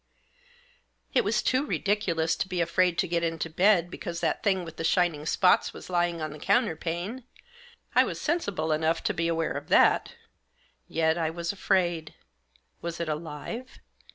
It was too ridiculous to be afraid to get into bed because that thing with the shining spots was lying on the counterpane. I was sensible enough to be aware of that. Yet I was afraid. Was it alive